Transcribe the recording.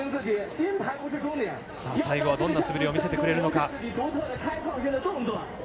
最後はどんな滑りを見せてくれるのか。